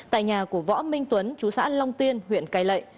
tại nhà của võ minh tuấn chú xã long tiên huyện cai lệ